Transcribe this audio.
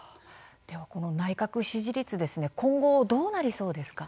この内閣支持率今後どうなりそうですか。